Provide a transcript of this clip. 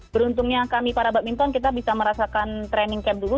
beruntungnya kami para badminton kita bisa merasakan training camp dulu